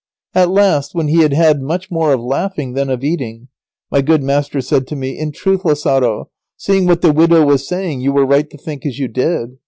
At last, when he had had much more of laughing than of eating, my good master said to me, "In truth, Lazaro, seeing what the widow was saying, you were right to think as you did.